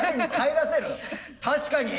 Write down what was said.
確かに。